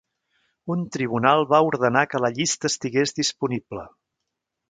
Un tribunal va ordenar que la llista estigués disponible.